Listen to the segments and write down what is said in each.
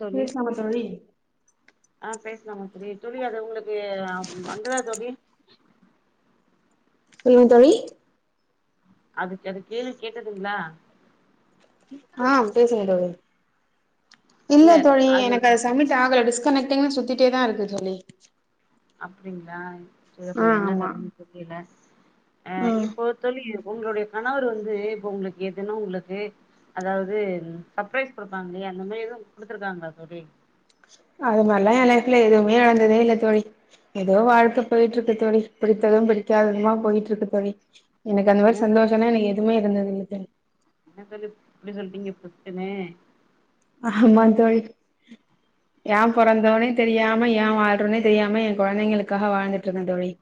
தோழி பேசலாமா தோழி ஆ பேசலாமா தோழி தூலி அது உங்களுக்கு வந்துதா தோழி சொல்லுங் தோழி அதுக் அது கேளு கேட்டதுங்ளா ஆ பேசுங்க தோழி இல்ல தோழி எனக் அது சமிட் ஆகல கனெக்ட்டிங்னு சுத்திட்டே தா இருக்கு தோழி அப்டிங்ளா ஆ [unintelligible] என்ன ஆமா கதனு தெரியல அ ம் இப்போ தோழி உங்களுடைய கணவர் வந்து இப்ப உங்ளுக்கு எதுனா உங்ளுக்கு அதாவது சர்ப்ரைஸ் குடுப்பாங்களிய அந்த மாரி எதுவு குடுத்துருக்காங்ளா தோழி அது மாரிலா எ லைஃப்ல எதுவுமே நடந்ததே இல்ல தோழி எதோ வாழ்க்க போய்ட்ருக்கு தோழி பிடித்தது பிடிக்காததுமா போய்ட்டுருக்கு தோழி எனக்கு அந்த மாரி என்ன சந்தோஷனா எனக்கு எதுமே இருந்ததில்ல தோழி என்ன தோழி இப்டி சொல்ட்டிங்க பொசுக்குனு ஆமா தோழி ஏ பொறந்தோனே தெரியாம ஏ வாழ்றோனே தெரியாம எ கொழந்தைங்களுக்காக வாழ்ந்துட்டு இருக்க தோழி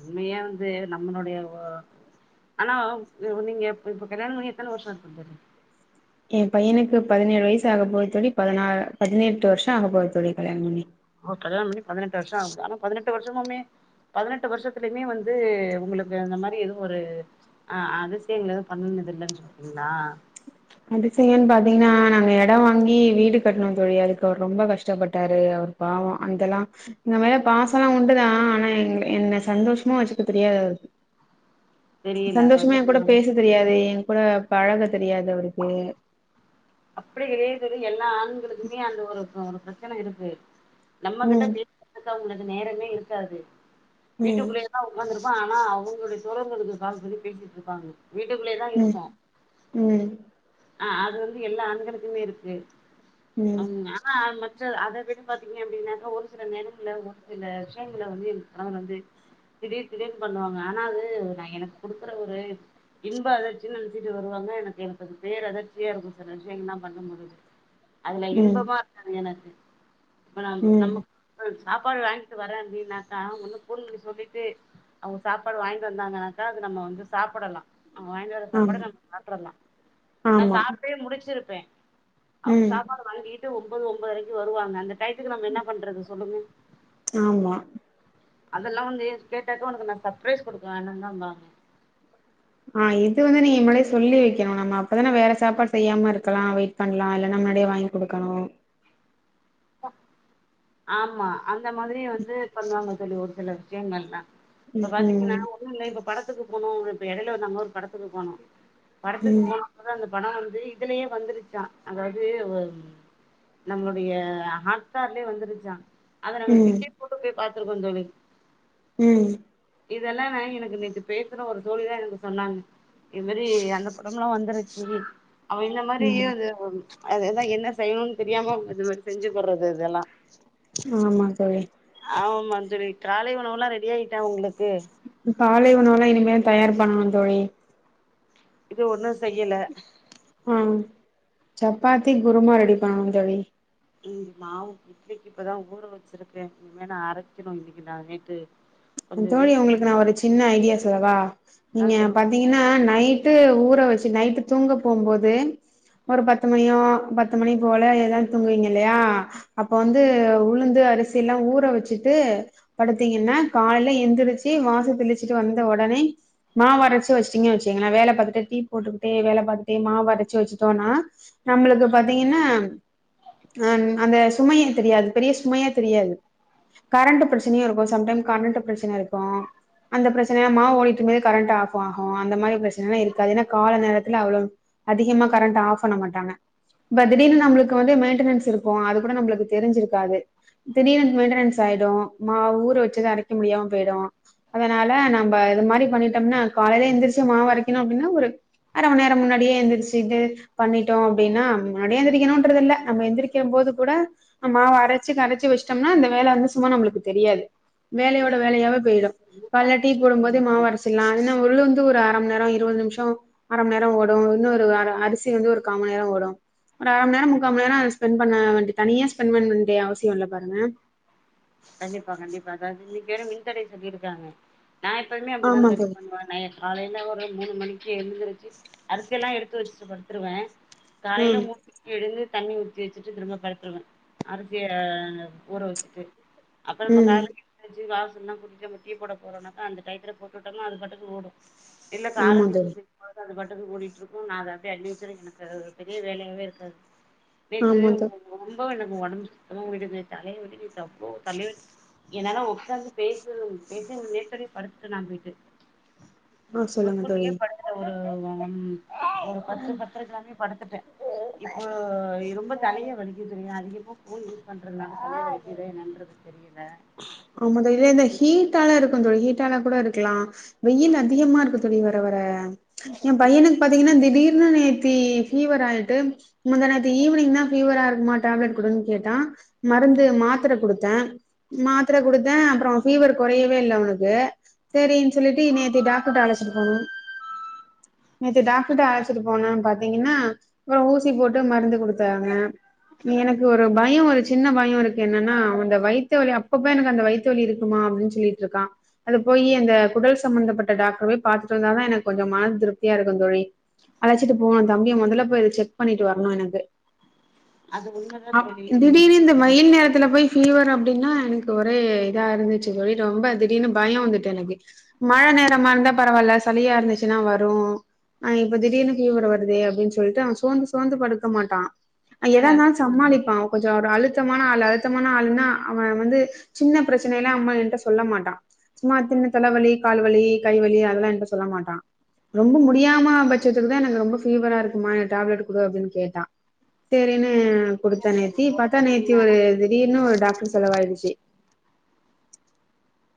உண்மையா வந்து நம்மளொடைய ஆனா நீங்க இப் இப்ப கல்யாண பண்ணி எத்தன வருஷ இருக்கு தோழி எ பையனுக்கு பதினேழு வயசு ஆக போது தோழி பதினா பதினெட்டு வருஷோ ஆக போது தோழி கல்யாண பண்ணி ஓ கல்யாண பண்ணி பதினெட்டு வருஷ ஆகுது ஆனா பதினெட்டு வருஷமுமே பதினெட்டு வர்ஷத்துலயுமே வந்து உங்களுக்கு அந்த மாரி எதுவு ஒரு ஆ அது செய்ல பண்ணதில்லன் சொல்றிங்ளா அதிசயன் பாத்தீங்ன்னா நாங்க எடோ வாங்கி வீடு கட்ணோ தோழி அதுக்கு அவர் ரொம்ப கஷ்டப்பட்டாரு அவர் பாவொ அந்தலா எங்க மேல பாசல்லா உண்டுதா ஆனா எங்க என்ன சந்தோஷமா வச்சுக்க தெரியாது அவருக்கு தெரியல அதாவது சந்தோஷமா என் கூட பேச தெரியாது என் கூட பழக தெரியாது அவருக்கு அப்டியே [unintelligible] எல்லா ஆண்களுக்குமே அந்த ஒரு ஒரு பிரச்சன இருக்கு நம்ம கிட்ட ம் பேசுறதுக்கு அவங்களுக்கு நேரமே இருக்காது ம் வீட்டுக்குள்ள தா உக்காந்துருப்போ ஆனா அவுங்ளுடைய தோழர்களுக்கு கால் பண்ணி பேசிட்ருப்பாங்க வீட்டுக்குள்ளே தா ம் இருப்போ ம் ஆ அது வந்து எல்லா ஆண்களுக்குமே இருக்கு ம் [unintelligible] சிஸ்டர் அத விட பாத்திங்க அப்டின்னாக்க ஒரு சில நேரங்கள்ல ஒரு சில விஷயங்கள வந்து எ கணவர் வந்து திடீர் திடீர்னு பண்ணுவாங்க ஆனா அது நா எனக்கு குடுக்குற ஒரு இன்ப அதிர்ச்சினு நெனசிட்டு வருவாங்க ஆனா எனக்கது பேரதிர்ச்சியா இருக்கு சில விஷயங்கல்லா பண்ணுபோது அதுல ம் இன்பமா இருக்காது எனக்கு இப்ப நம்ப ம் நம்ம சாப்பாடு வாங்கிட்டு வரான்டினாக்க ஒன்னு ஃபோன் பண்ணி சொல்லிட்டு அவுங்க சாப்பாடு வாங்கிட்டு வந்தாங்கன்னாக்க அது நம்ம வந்து சாப்டலா அவுங்க வாங்கி வர சாப்பாட ஆமா நம்ம சாப்டலா நா ஆமா சாப்ட்டே முடுச்சுருப்பே அவுங்க ம் சாப்பாடு வாங்கிகிட்டு ஒம்பது ஒம்பதரைக்கு வருவாங்கன்னு டயத்துக்கு நம்ம என்னா பண்றது சொல்லுங்க ஆமா அதல்லா வந்து கேட்டாக்க ஒனக்கு நா சப்ரைஸ் குடுக்க வான்டுவந்தேபாங்க ஆ இது வந்து நீ முன்னாடியே சொல்லி வய்க்கணு நம்ம அப்பதான வேற சாப்பாடு செய்யாம இருக்கலா வீட் பண்லா இல்லனா முன்னாடியே வாங்கி குடுக்கணு ஆமா அந்த மாதிரி வந்து பண்ணுவாங்க சொல்லி ஒரு சில விஷ்யங்கள்லா இப்ப பாத்தீங்கன்னா ம் ஒண்ணும் இல்ல இப்ப படத்துக்கு போகணு இப்ப எடேல வந்தாங்க ஒரு படத்துக்கு போனோ ம் படத்துக்கு ம் போய் அதா அந்த படோ வந்து இதுலயே வந்துருச்சா அதாவது ஒம் நம்மளுடைய ஹாட்ஸ்டார்லயே வந்துருச்சா அத நாங்க ம் டிக்கெட் போட்டு போய் பாத்துருக்கோ தோழி ம் இதல்லாம் நா எனக்கு நேத்து பேசுன ஒரு தோழிதா எனக்கு சொன்னாங்க இது மாரி அந்த படம்லா வந்துருச்சு அவ இந்த மாரி ம் அது ஒம் அதுதா என்ன செய்யணுனு தெரியாம அது மாரி செஞ்சுக்கற்றது இதல்லா ஆமா தோழி ஆமாந் தோழி காலை உணவல்லா ரெடி ஆயிட்டா உங்ளுக்கு காலை உணவல்லா இனிமேல் தயார் பண்ணனு தோழி இது ஒண்ணு செய்யல ஆ சப்பாத்தி குருமா ரெடி பண்ணணு தோழி ம் மாவு இட்லிக்கு இப்பதா ஊற வச்சிருக்கே இனிமேல் அரைக்கணு இன்னக்கி நா நேத்து கொஞ்ச தோழி வெளில உங்களுக்கு நா ஒரு சின்ன ஐடியா சொல்லவா ஆ நீங்க ப சொல்லுங்க பாத்தீங்கன்னா நைட்டு ஊற வச்சு நைட்டு தூங்க போம் போது ஒரு பத்து மணியோ பத்து மணி போல எல்லா தூங்குவீங்க இல்லயா அப்ப வந்து உளுந்து அரிசீல்லா ஊற வச்சுட்டு படுத்தீங்கன்ன காலேல எந்துருச்சு வாச தெளிச்சிட்டு வந்த உடனே மா வரைச்சு வச்சுட்டீங்க வச்சுக்கங்ளே வேல பாத்துட்டே டீ போட்டுக்கிட்டே வேல பாத்துட்டே மா வரச்சு வச்சுட்டோனா நம்மளுக்கு பாத்தீங்கன்னா அ அந்த சுமையா தெரியாது பெரிய சுமையா தெரியாது கரண்ட் பிரச்சனையு இருக்கு சம்டைம் கரண்ட்டு பிரச்சன இருக்கு அந்த பிரச்சனேல மாவு ஓடிட்டுமே கரண்ட்டு ஆஃப் ஆகு அந்த மாரி பிரச் சனேலா இருக்காது ஏனா கால நேரத்துல அவ்வளவு அதிகமா கரண்ட் ஆஃப் பண்ண மாட்டாங்க இப்ப திடீர்னு நம்மளுக்கு வந்து மெயின்டனன்ஸ் இருக்கு அது கூட நம்மளுக்கு தெரிஞ்சிருக்காது திடீர்னு மென்ட்ரன்ஸ் ஆய்டு மா ஊர வச்சது அரைக்க முடியாம போய்டு அதனால நாம்ப இது மாரி பண்ணிட்டோம்னா காலேல எந்துருச்சு மாவரைக்கணு அப்டினா ஒரு அர மண் நேரோ முன்னாடியே எந்திருச்சுட்டு பண்ணிட்டோ அப்டினா மதியோ எந்திரிக்கணுன்றது இல்ல நம்ம எந்திரிக்க போது கூட மாவரச்சு கரச்சு வச்சுட்டோம்னா அந்த வேல வந்து சும்மா நம்மளுக்கு தெரியாது வேலையோட இன்னைக்கு வேலையாவே போய்டு முட்ட காலேல ரைஸ் டீ போடும் போதே செஞ்சிருக்காங்க. மாவரச்சர்லா இல்லேனா உளுந்து ஒரு அர மண் நேரோ இருவது நிமிஷோ அர மண் நேரோ ஓடு இன்னு ஒரு அர அரிசி வந்து ஒரு கா மண் நேரோ ஓடு ஒரு அர மண் நேரோ முக்கா மண் நேரோ ஸ்பெண்ட் பண்ண வேண்டி தனியா ஸ்பெண்ட் பண்ண வேண்டிய அவசியோ இல்ல பாருங்க கண்டிப்பா கண்டிப்பா அதாவது இன்னக்கு வேற மின்தடை சொல்லிருக்காங்க நா எப்பய்வுமே அப்டிதா தோழி பண்ணுவே நா எ காலேல ஒரு மூணு மணிக்கு எந்துருச்சு அரிசியல்லா எடுத்து வச்சுட்டு படுத்துருவே ம் காலேல மூனு எழுந்து தண்ணி ஊத்தி வச்சுட்டு திரும்ப பருத்துருவே அரிசிய ஊற வச்சுட்டு அப்ப நம்ம ம் கால [inaudible] செஞ்சு வாசல்லா கூட்டிட்டு நம்ம டீ போட போறோன்னாக்கா அந்த டைத்துல போட்டுட்டம்னா அது பாட்டக்கு ஓடு இல்ல கால ஆமா டிஃபன் தோழி செஞ் பாத்தா அது பாட்டுக்கு ஓடிட்ருக்கு நா அத அப்டியே அன்விச்சற எனக்கு ஒரு பெரிய வேலையாவே இருக்காது நேத்து ஆமா தோ ரொம்ப எனக்கு ஒடம்பு சுத்தமா விடுது தலைய வலிக்கு தம்பியோடஸ் என்னாலா ஒக்காந்து பேசற பேச நேரத்துலே படுத்துட்ட நா போய்ட்டு ஆ சொல்லுங்க முன்கூட்டியே தோழி படுத்துட்டே ஒரு ஒன் வீக் ஒரு பத்து பத்தரைக்கெல்லாமே படுத்துட்டே இப்போ ரொம்ப தலைய வலிக்கிதுங்க அதிக ஃபோ ன் யூஸ் பண்றதுனால தலைய வலிக்கிதா என்னான்றது தெரியல ஆமா தோழி அந்த ஹீட்டால இருக்கு தோழி ஹீட்டால கூட இருக்கலா வெயில் அதிகமா இருக்கு தோழி வர வர எம்பையனுக்கு பாத் தீங்னா திடீர்னு நேத்தி ஃபீவர் ஆய்ட்டு முந்தா நேத்து ஈவ்னிங் தா ஃபீவரா இருக்ம்மா டேப்லெட் குடுன்னு கேட்டா மருந்து மாத்தர குடுத்தே மாத்தர குடுத்தே அப்றோ ஃபீவர் கொறையவே இல்ல அவனுக்கு சேரின் சொல்லிட்டு நேத்து டாக்டர்ட்ட அழச்சிட்டுபோனோ நேத்து டாக்டர்ட்ட அழச்சிட்டு போனோ பாத்தீங்கன்னா அப்றோ ஊசி போட்டு மருந்து குடுத்தாங்க எனக்கு ஒரு பயோ ஒரு சின்ன பயோ இருக்கு என்னன்னா அவ அந்த வயித்த வலி அப் பப்ப எனக்கு அந்த வயித்து வலி இருக்கும்மா அப்டின் சொல்லிட்ருக்கா அது போயி அந்த குடல் சம்மந்தப்பட்ட டாக்டர போய் பாத்துட்டு வந்தா தா எனக் கொஞ்சோ மன திருப்தியா இருக்கு தோழி அழச்சிட்டு போனு தம்பிய மொதல்ல போய் செக் பண்ணிட்டு வர்ணு எனக்கு அது உண்மதா அப் தோழி நீங்க திடீர்னு இந்த வயில் நேரத்துல போய் ஃபீவர் அப்டின்னா எனக்கு ஒரே இதா இருந்துச்சி தோழி ரொம்ப திடீர்னு பயோ வந்துட்டு எனக்கு மழ நேரமா இருந்தா பரவால்ல சளியா இருந்துச்சின்னா வரு ஆ இப்போ திடீர்னு ஃபீவர் வருதே அப்டின் சொல்ட்டு அவ சோந்து சோந்து படுக்க மாட்டா அ எதா இர்ந்தாலு சமாளிப்பா அவ கொஞ்சோ ஒரு அழுத்தமான ஆளு அழுத்தமான ஆள்னா அவ வந்து சின்ன பிரச்சனையெல்லா அம்மா என்ட்ட சொல்ல மாட்டா சும்மா சின்ன தலவலி, கால்வலி, கைவலி அதெல்லா என்ட்ட சொல்ல மாட்டா ரொம்ப முடியாம பட்சத்துக்கு தா எனக்கு ரொம்ப ஃபீவரா இருக்கும்மா என்க்கு டேப்லெட்டு குடு அப்டின் கேட்டா சேரின்னு குடுத்தே நேத்தி பாத்தா நேத்தி ஒரு திடீர்னு ஒரு டாக்டர் செலவாய்டுச்சி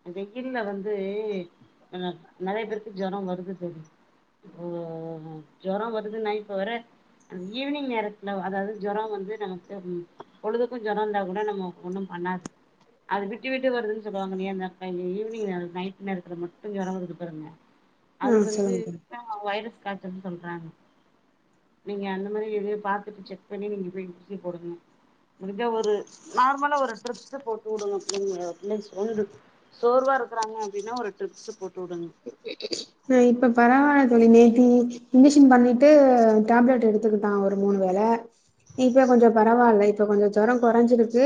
இந் வெயில்ல வந்து ஆனா நெறைய பேருக்கு ஜொரோ வருது தோழி ஓ ஓ ஜொரோ வருதுன்னா இப்ப வர ஈவினிங் நேரத்துல வ அதாவ்து ஜொரோ வந்து நமக்கு ம் பொழுதுக்கு ஜொரோ இருந்தா கூட நம்மோ ஒன்னும் பண்ணாது அது விட்டு விட்டு வருதுன் சொல்லுவாங்கில்லயா இந்த அ இ ஈவ்னிங் நேர நைட் நேரத்துல மட்டு ஜொரோ வருது பாருங்க அது ஆ வந்து சொல்லுங்க தோழி எதோ வைரஸ் காய்ச்சல்ன்னு சொல்றாங்க நீங்க அந்த மாரி இதைய பாத்துட்டு செக் பண்ணி நீங்க போய் ஊசிப் போடுங்க இத ஒரு நார்மலா ஒரு ட்ரிப்ஸ்ஸு போட்டு வுடுங்க பிள்ளைங்கள பிள்ளைங் சோந்திரு சோர்வா இருக்கறாங்க அப்டின்னா ஒரு ட்ரிப்ஸ்ஸு போட்டு வுடுங் ம் இப்ப பரவாயில்ல தோழி நேத்தி இன்ஜெக்ஷன் பண்ணிட்டு டேப்லெட் எடுத் எட்த்துக்கிட்டா ஒரு மூணு வேள இப்ப கொஞ்சோ பரவால்ல இப்ப கொஞ்சோ ஜொரோ கொறஞ்சிருக்கு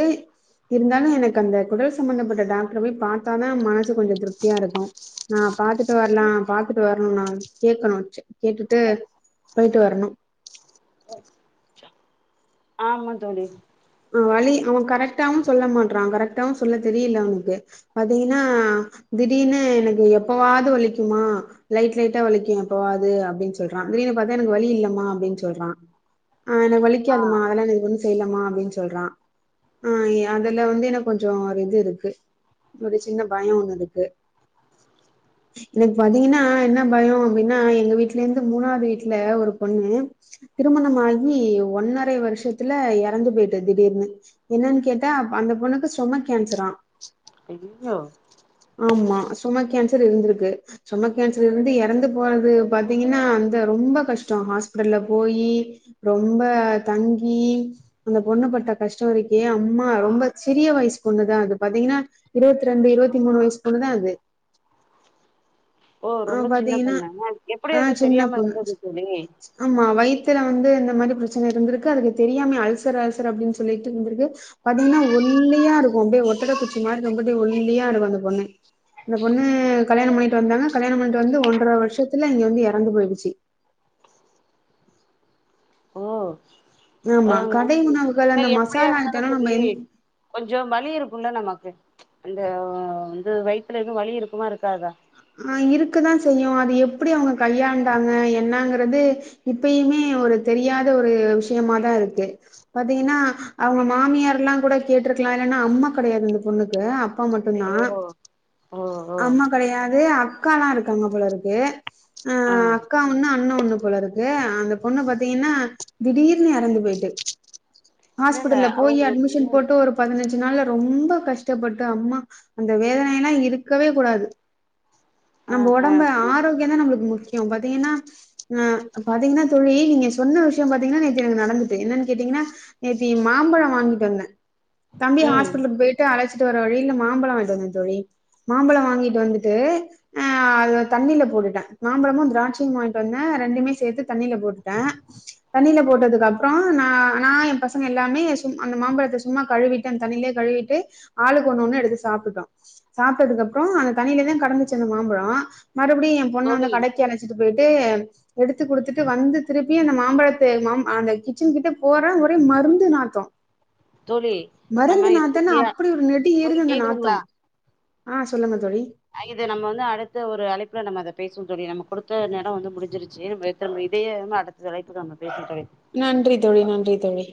இருந்தாலு எனக் அந்த குடல் சம்மந்தப்பட்ட டாக்டர போய் பாத்தா தா மனசு கொஞ்சோ திருப்தியா இருக்கு நா பாத்துட்டு வர்லா பாத்துட்டு வர்ணு நானு கேக்கணு ச்சே கேட்டுட்டு போய்ட்டு வரணு ஆமா தோழி அ வலி அவ கரெக்ட்டாவு சொல்ல மாட்றா கரெக்ட்டாவு சொல்ல தெரியில அவனுக்கு பாத்தீங்கன்னா திடீர்னு எனக்கு எப்பவாது வலிக்கும்மா லைட் லைட்டா வலிக்கு எப்பவாவது அப்டின் சொல்றா திடீர்னு பாத்தா எனக்கு வலி இல்லம்மா அப்டின் சொல்றா அ எனக்கு ஆ வலிக்காதுமா அதெல்லா எனக்கு ஒண்ணும் செய்யலமா அப்டின்னு சொல் றான் ஆ அதுல வந்து எனக்கு கொஞ்ஜோ ஒரு இது இருக்கு ஒரு சின்ன பயோம் ஒண்ணு இருக்கு எனக்கு பாத்தீங்கனா என்னாப் பயோம் அப்டினா எங்க வீட்ல ந்து மூணாவது வீட்ல ஒரு பொண்ணு திருமணமாகி ஒன்னரை வருஷத்துல எறந்து போய் ட்டு திடீர்னு என்னன்னு கேட்ட அந்த பொண்ணுக்கு ஸ்டோமக் கேன்சராம் ஐயோ ஆமா ஸ்டொமக் கேன்சர் இருந்துருக்கு ஸ்டெமக் கேன்சர் இருந்து எறந்து போறது பாத்தீங்கனா அந்த ரொம்ப கஷ்டோ ஹாஸ்பிடல்ல போயி ரொம்ப தங்கி பொண்ணுப் பட்ட கஷ்டோ இருக்கே அம்மா ரொம்ப சிறிய வயசு பொண்ணுதா அது பாத்தீங்கன்னா இருவத்தி ரெண்டு இருவத்தி மூணு வயசு பெண்ணுதா அது ஓ ஆ ரொம்ப சின்ன பாத்தீங்கன்னா பெண்ணாங்க எப்டி ஆ அது சின்ன தெரியாம பொண்ணு இருந்தது தோழி ஆமா வயித்துல வந்து இந்த மாரி பிரச்சனை இருந்திருக்கு அதுக்கு தெரியாமே அல்சர் அல்சர் அப்டின்னு சொல்லிட்டு ந்திருக்கு பாத்தீங்கனா ஒல்லியா இருக்குன் அப்டியே ஒட்டட குச்சி மாரி ரொம்ப அப்டியே ஒல்லியா இருக்கும் அந்த பொண்ணு அந்த பொண்ணு கல்யாணம் பண்ணிட்டு வந்தாங்க கல்யாணம் பண்ணிட்டு வந்து ஒன்றர வருஷத்துல இங்க வந்து எறந்து போயிடுச்சு ஓ ப ஆமா கடை [unintelligible] உணவுகள் ஆனா அந்த எப்டியா மசாலா இருந்தாலு ஐட்டம்லாம் தோழி நம்ம எந் கொஞ்சம் வலி இருக்குன்ல நமக்கு அந்த வந்து வயித்துல எது வலி இருக்குமா இருக்காதா ஆ இருக்குதா செய்யும் அது எப்டி அவங்க கையாண்டாங்க என்னங்கிறது இப்பயுமே ஒரு தெரியாத ஒரு விஷயமாதா இருக்கு பாத்திங்கனா அவங்க மாமியார்லான் கூட கேட்டுயிருக்கலா இல்லனா அம்மா கெடையாது அந்த பொண்ணுக்கு அப் ப்பா ஓ மட்டும்தான் ஓ ஓ அம்மா கெடையா அதே அக்கால்லா இருக்காங்க போல இருக்கு அ ஆ அக்கா ஒன்னு அண்ண ஒண்ணு போல இருக்கு அந்த பொண்ணு பாத்தீங்கனா திடீர்னு எறந்து போயிட்டு இல்ல இல்ல ஹாஸ்பிடல்ல போய் அவங்களுக்கு அட்மிஷன் போட்டு ஒரு பதினஞ்சு நாள்ல ரொம்ப கஷ்டப்பட்டு அம்மா அந்த வேதனை எல்லாம் இருக்கவே கூடாது ஆ நம்ம ஆ உடம்ப புரி ஆரோக்கியம் தா நம்மளுக் முக்கியம் பாத்தீங்கன்னா அ பாத்தீங்கன்னா தோழி நீங்க சொன்ன விஷயம் பாத்தீங்கன்னா நேத்தி எனக்கு நடந்துட்டு என்னன்னு கேட்டீங்கனா நேத்தி மாம்பழம் வாங்கிட்டு வந்தேன் தம்பி ம் ஹாஸ்பிடலுக்கு போயிட்டு அழச்சிட்டு வர வழியில மாம்பழம் வாங்கிட்டு வந்த தோழி மாம்பழம் வாங்கிட்டு வந்து ட்டு அத தண்ணியில போட்டுட்டேன் மாம்பழமு திராட்சை வாங்கிட்டு வந்தே ரெண்டுமே சேர்த்து தண்ணில போட்டுட்டேன் தண்ணில போட்டதுக்கு அப்புறம் நா நா என் பசங்க எல்லாமே சும் அந்த மாம்பழத்த சும்மா கழுவிட்டு தண்ணியிலேயே கழுவிட்டு ஆளுக்கு ஒண்ணொண்னு எடுத்து சாப்ட்டுட்டோம் சாப்ட்டதுக்கு அப்புறம் அந்த தண்ணியில தா கடந்துச்சு அந்த மாம்பழம் மறுபடியும் என் பொண்ண வந்து தோழி கடைக்கு அ ட்டு போயிட்டு எடுத்து குடுத்துட்டு வந்து திருப்பி அந்த மாம்பழத்த மா அந்த கி ச்சன் கிட்ட போறன் ஒரே மருந்து நாத்தோ தோழி மறுந்து நம்ம இத நாத்தன்னா பத்தியா அப்டி ஒரு நெடி தோழி ஏறுது அந்த நாத்தோ கேக்குதுங்களா அ சொல்லுங்க தோழி இது நம்ம வந்து அடுத்த ஒரு அழைப்புல நம்ம அத பேசுவோ தோழி நமக் கொடுத்த நேரோ வந்து முடிஞ்சிருச்சு நம்ம இது இதயே அடுத் அடுத்த அழைப்புக்கு நம்ம பேசுவோ தோழி நன்றி தோழி நன்றி தோழி